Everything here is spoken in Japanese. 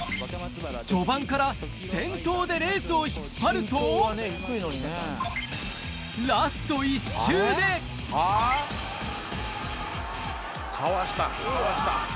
序盤から先頭でレースを引っ張るとかわしたかわした。